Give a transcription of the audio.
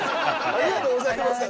ありがとうございます。